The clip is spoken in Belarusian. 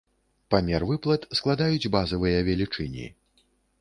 Памер выплат складаюць базавыя велічыні.